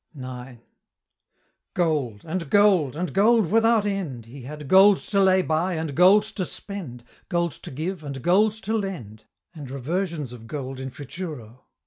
IX. Gold! and gold! and gold without end! He had gold to lay by, and gold to spend, Gold to give, and gold to lend, And reversions of gold _in futuro.